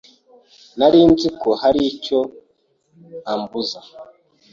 Nari nzi ko hari icyo ambuza.